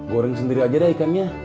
goreng sendiri aja deh ikannya